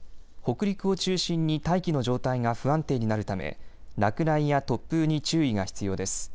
北陸を中心に大気の状態が不安定になるため落雷や突風に注意が必要です。